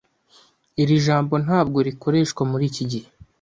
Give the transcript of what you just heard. Iri jambo ntabwo rikoreshwa muri iki gihe.